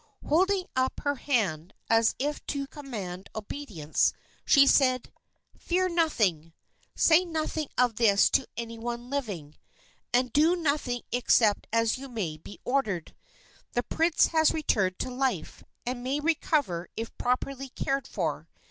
Holding up her hand, as if to command obedience, she said: "Fear nothing, say nothing of this to any one living, and do nothing except as you may be ordered. The prince has returned to life, and may recover if properly cared for.